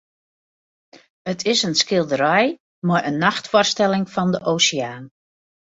It is in skilderij mei in nachtfoarstelling fan de oseaan.